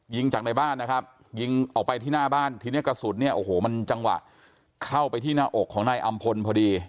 ยิงจากในบ้านนะครับยิงออกไปที่หน้าบ้านทีนี้กระสุนเนี่ยโอ้โหมันจังหวะเข้าไปที่หน้าอกของนายอำพลพอดี